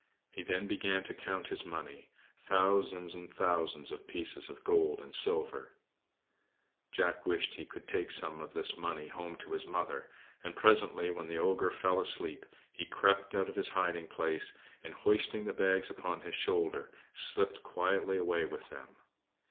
He then began to count his money thousands and thousands of pieces of gold and silver. Jack wished he could take some of this money home to his mother; and, presently, when the ogre fell asleep, he crept out of his hiding place, and hoisting the bags upon his shoulder, slipped quietly away with them.